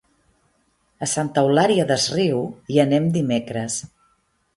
A Santa Eulària des Riu hi anem dimecres.